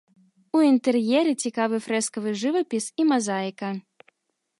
У інтэр'еры цікавы фрэскавы жывапіс і мазаіка.